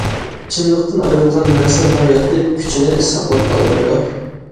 چىنلىقتىن ئايرىلغان نەسر ھاياتىي كۈچىنى ساقلاپ قالالمايدۇ.